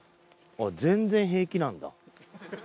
全然平気なんだ。